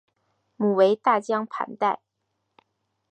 母为大江磐代。